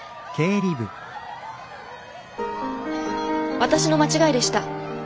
私の間違いでした。